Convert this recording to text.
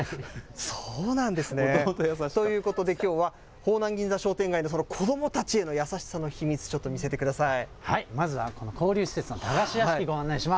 そうなんですね。ということできょうは、方南銀座商店街の子どもたちへの優しさの秘密、ちょっと見せてください。